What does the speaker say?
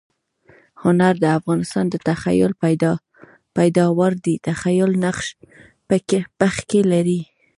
هنر د انسان د تخییل پیداوار دئ. تخییل نقش پکښي لري.